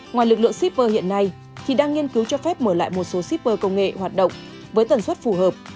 ngoài lực lượng shipper hiện nay thì đang nghiên cứu cho phép mở lại một số shipper công nghệ hoạt động với tần suất phù hợp